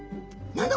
何だ？